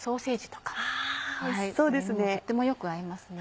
とってもよく合いますね。